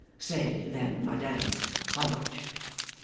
Say, then, madame. How much?